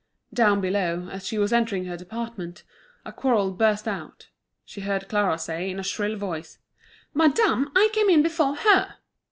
Down below, as she was entering her department, a quarrel burst out She heard Clara say, in a shrill voice: "Madame, I came in before her."